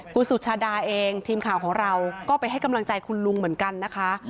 คุณสุชาดาเองทีมข่าวของเราก็ไปให้กำลังใจคุณลุงเหมือนกันนะคะ